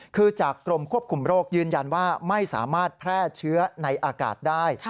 คือจากกรมควบคุมโรคยืนยันว่าไม่สามารถแพร่เชื้อในอากาศได้